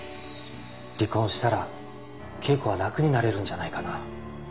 離婚したら恵子は楽になれるんじゃないかな。